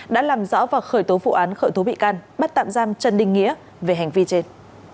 đã làm rõ và khởi tố vụ án khởi tố bị can bắt tạm giam trần đình nghĩa về hành vi trên